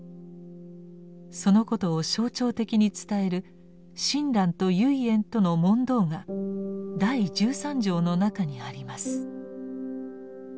そのことを象徴的に伝える親鸞と唯円との問答が第十三条の中にあります。